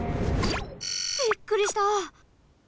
びっくりした。